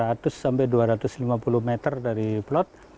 saat ini posisi api sudah di dua ratus sampai dua ratus lima puluh meter dari plot